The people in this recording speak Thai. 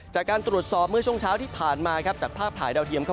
จากการตรวจสอบเมื่อช่วงเช้าที่ผ่านมาครับจากภาพถ่ายดาวเทียมก็